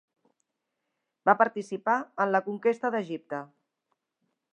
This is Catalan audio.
Va participar en la conquesta d'Egipte.